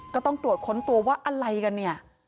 ก็ต้องตรวจค้นตัวว่าอะไรกันเนี่ย